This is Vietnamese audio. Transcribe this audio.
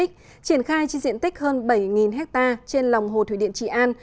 triển khai trên diện tích hơn bảy ha trên lòng hồ thủy điện trị an